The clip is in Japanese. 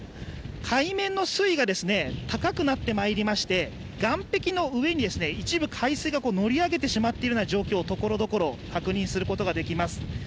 海面の水位が高くなってまいりまして、岸壁の上に、一部海水が乗り上げてしまっているような状況をところどころ確認することができます。